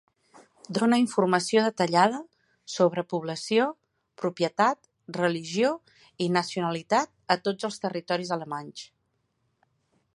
Dona informació detallada sobre població, propietat, religió i nacionalitat a tots els territoris alemanys.